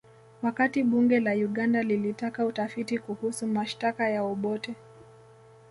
Wakati bunge la Uganda lilitaka utafiti kuhusu mashtaka ya Obote